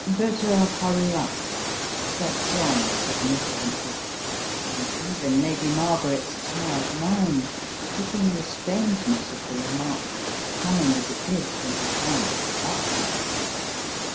"Better hurry up," said John, significantly, and even Lady Margaret's tired mind took in the strange Bess of the remark coining as it did from her aunt's butler.